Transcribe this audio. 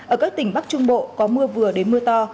ở các tỉnh bắc trung bộ có mưa vừa đến mưa to